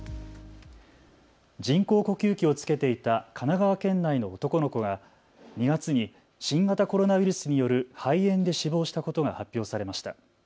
人工呼吸器をつけていた神奈川県内の男の子が２月に新型コロナウイルスによる肺炎で死亡したことが発表されました。